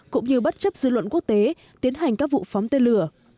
cũng như bất chấp dư luận quốc tế tiến hành các việc đối phó